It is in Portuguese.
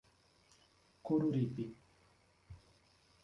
Coruripe